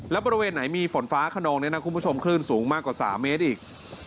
แล้วบริเวณไหนมีฝนฟ้าขนองเนี่ยนะคุณผู้ชมคลื่นสูงมากกว่า๓เมตรอีก